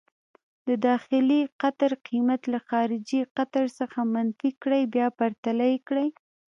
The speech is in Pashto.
د داخلي قطر قېمت له خارجي قطر څخه منفي کړئ، بیا پرتله یې کړئ.